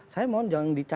saya mohon jangan dikacau